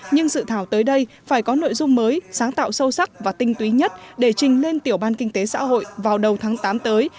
nhưng dự thảo tới đây phải có nội dung mới sáng tạo sâu sắc và tinh túy nhất để trình lên tiểu ban kinh tế xã hội vào đầu tháng tám tới